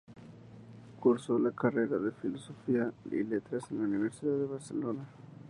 Cursó la carrera de Filosofía y Letras en la Universidad de Barcelona.